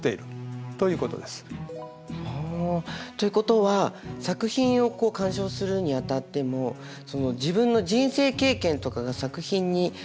ふんということは作品を鑑賞するにあたっても自分の人生経験とかが作品に反映されるということですね。